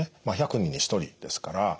まあ１００人に１人ですから。